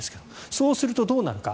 そうすると、どうなるか。